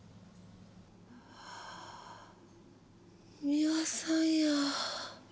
三輪さんや！